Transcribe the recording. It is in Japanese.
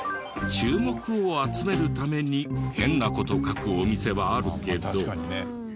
注目を集めるために変な事を書くお店はあるけど。